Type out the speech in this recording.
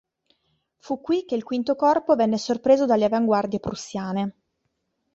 Fu qui che il V Corpo venne sorpreso dalle avanguardie prussiane.